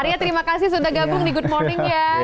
aria terimakasih sudah gabung di good morning ya